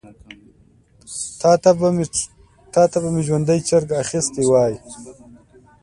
تا ته به مي ژوندی چرګ اخیستی وای .